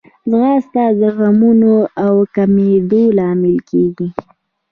ځغاسته د غمونو د کمېدو لامل کېږي